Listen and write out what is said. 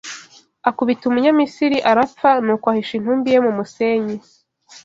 akubita Umunyamisiri, arapfa, nuko ahisha intumbi ye mu musenyi